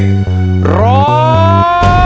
คุณละพึง